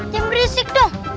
jangan berisik dong